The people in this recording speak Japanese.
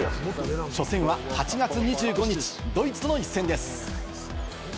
初戦は８月２５日、ドイツとの一戦です。